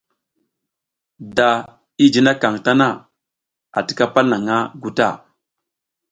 Da i jinakaƞ tana, a tika palnaƞʼha nguta.